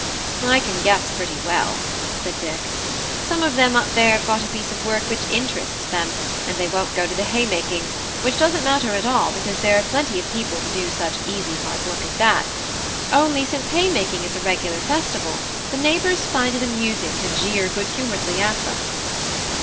"I can guess pretty well," said Dick; "some of them up there have got a piece of work which interests them, and they won't go to the haymaking, which doesn't matter at all, because there are plenty of people to do such easy hard work as that; only, since haymaking is a regular festival, the neighbours find it amusing to jeer good humouredly at them."